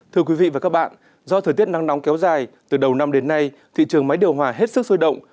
thưa quý vị và các bạn do thời tiết nắng nóng kéo dài từ đầu năm đến nay thị trường máy điều hòa hết sức sôi động